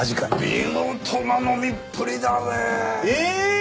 見事な飲みっぷりだねえ！